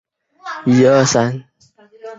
金圣叹最大贡献在于文学批评。